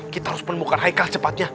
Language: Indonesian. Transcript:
kita harus menemukan haikal cepatnya